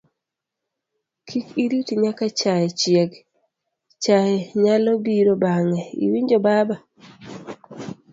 kik irit nyaka chaye chieg, chaye nyalo biro bang'e, iwinjo baba